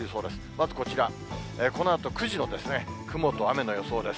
まずこちら、このあと９時の雲と雨の予想です。